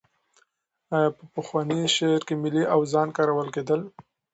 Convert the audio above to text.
آیا په پخواني شعر کې ملي اوزان کارول کېدل؟